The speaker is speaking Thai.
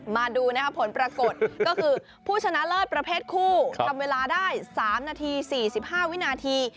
มาดูผลปรากฏก็คือผู้ชนะเลิศประเภทคู่ทำเวลาได้๓นาที๔๕วินาที